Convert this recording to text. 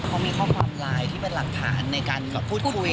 เขามีข้อความไลน์ที่เป็นหลักฐานในการพูดคุย